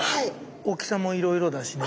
大きさもいろいろだしね。